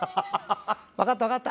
わかったわかった。